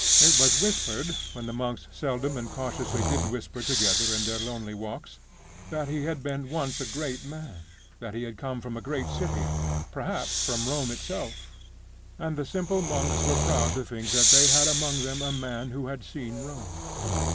It was whispered when the monks seldom and cautiously did whisper together in their lonely walks that he had been once a great man; that he had come from a great city perhaps from Rome itself. And the simple monks were proud to think that they had among them a man who had seen Rome.